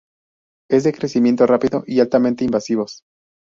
Es de crecimiento rápido y altamente invasivos.